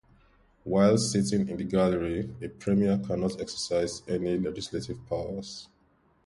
While sitting in the gallery a premier cannot exercise any legislative powers.